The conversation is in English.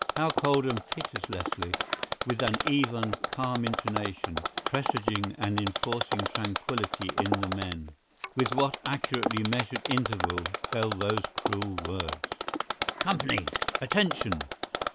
How coldly and pitilessly—with what an even, calm intonation, presaging, and enforcing tranquility in the men—with what accurately measured interval fell those cruel words: "Company!… Attention!